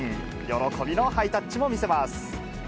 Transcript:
喜びのハイタッチも見せます。